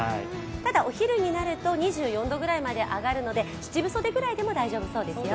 ただ、お昼になると２４度ぐらいまで上がるので七部袖ぐらいでも大丈夫そうですよ。